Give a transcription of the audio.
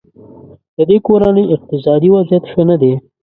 ددې کورنۍ اقتصادي وضیعت ښه نه دی.